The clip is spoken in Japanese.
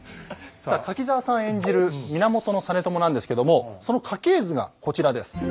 さあ柿澤さん演じる源実朝なんですけどもその家系図がこちらです。